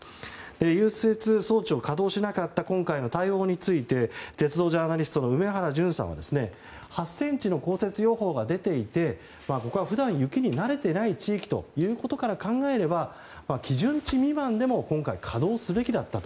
融雪装置を稼働しなかった今回の対応について鉄道ジャーナリストの梅原淳さんは８ｃｍの降雪予報が出ていて普段は雪に慣れていない地域ということから考えれば、基準値未満でも今回は稼働すべきだったと。